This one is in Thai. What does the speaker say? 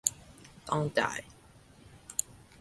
ต้องจ่าย